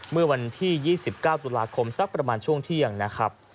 เมื่อวันที่๒๙ตุลาคมสักประมาณช่วงเที่ยงนะครับ